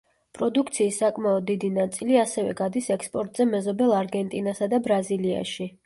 პროდუქციის საკმაოდ დიდი ნაწილი ასევე გადის ექსპორტზე მეზობელ არგენტინასა და ბრაზილიაში.